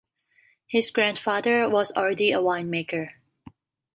His grandfather was already a winemaker.